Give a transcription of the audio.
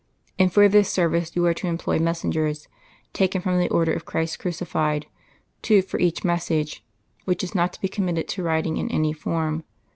And for this service you are to employ messengers, taken from the Order of Christ Crucified, two for each message, which is not to be committed to writing in any form.